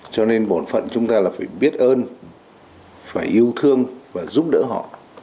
cho nên bộn phận chúng ta là phải biết ơn phải yêu thương và giúp đỡ họ